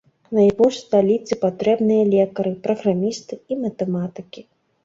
Найбольш сталіцы патрэбныя лекары, праграмісты і матэматыкі.